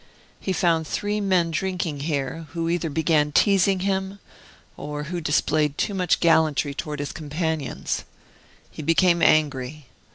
He found three men drinking here, who either began teasing him, or who displayed too much gallantry toward his companions. He became angry.